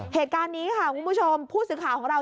เหตุการณ์นี้ค่ะคุณผู้ชมผู้สื่อข่าวของเรา